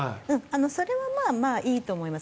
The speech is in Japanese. それはまあ、いいと思います。